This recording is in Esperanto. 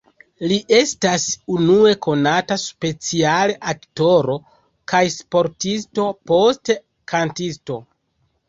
Li estas unue konata speciale aktoro kaj sportisto, poste kantisto.